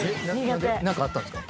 何かあったんですか？